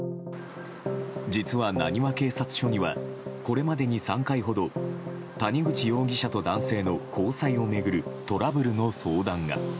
実は、浪速警察署にはこれまでに３回ほど谷口容疑者と男性の交際を巡るトラブルの相談が。